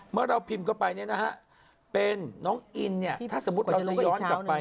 เมื่อเราพิมพ์เข้าไปเป็นน้องอินถ้าสมมุติเราย้อนกลับไป